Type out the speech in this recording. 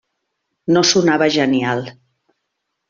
No sonava genial.